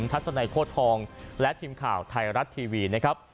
ทัศน์ไนโคทธองและทีมข่าวไทรรัชทีวีนะครับ